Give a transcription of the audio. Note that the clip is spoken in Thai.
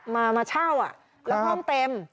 มาเช่าแล้วห้องเต็ม